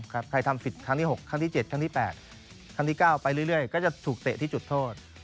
ใครทำผิดครั้งที่๖ครั้งที่๗ครั้งที่๘ครั้งที่๙ไปเรื่อยก็จะถูกเตะที่จุดโทษ